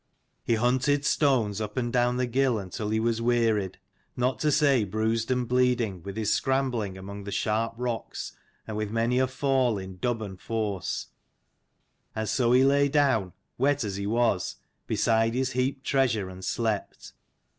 He hunted stones up and down the gill until he was wearied, not to say bruised and bleeding with his scrambling among the sharp rocks and with many a fall in dub and force : so he lay down, wet as he was, beside his heaped treasure, and slept.